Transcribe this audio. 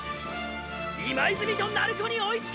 今泉と鳴子に追いつけ！！